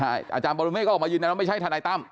อาจารย์บริเวฮก็ออกมายืนอ่ะไม่ใช่ธนัยตำ